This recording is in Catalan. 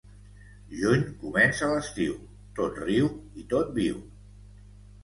Juny comença l'estiu, tot riu i tot viu.